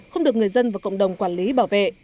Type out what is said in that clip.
không được người dân và cộng đồng quản lý bảo vệ